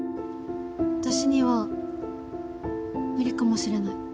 私には無理かもしれない。